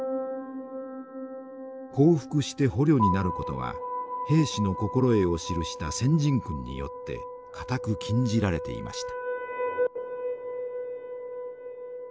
降伏して捕虜になることは兵士の心得を記した戦陣訓によって固く禁じられていました。